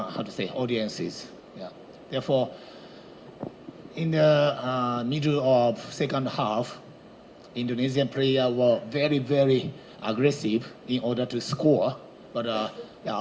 jadi di tengah tengah kemaren indonesia sangat agresif untuk menang